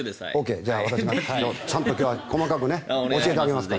じゃあ、私が今日は細かく教えてあげますから。